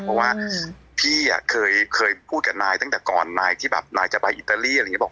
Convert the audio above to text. เพราะว่าพี่เคยพูดกับนายตั้งแต่ก่อนนายที่แบบนายจะไปอิตาลีอะไรอย่างนี้บอก